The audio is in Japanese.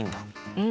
うん。